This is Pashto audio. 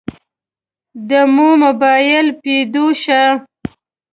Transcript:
دمو مباييل پيدو شه.